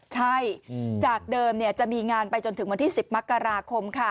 ใช่จากเดิมจะมีงานไปจนถึงวันที่๑๐มกราคมค่ะ